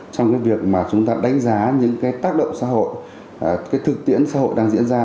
trong việc chúng ta đánh giá những tác động xã hội thực tiễn xã hội đang diễn ra